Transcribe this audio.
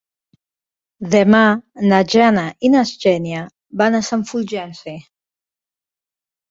Demà na Jana i na Xènia van a Sant Fulgenci.